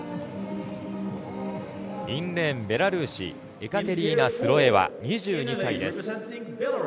インレーン、ベラルーシエカテリーナ・スロエワ２２歳です。